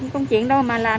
có chuyện đâu mà làm